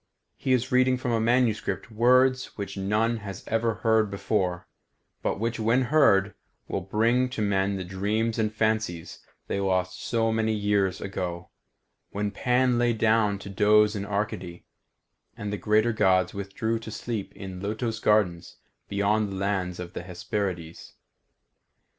He is reading from a manuscript words which none has ever heard before, but which when heard will bring to men the dreams and fancies they lost so many centuries ago, when Pan lay down to doze in Arcady, and the greater Gods withdrew to sleep in lotos gardens beyond the lands of the Hesperides.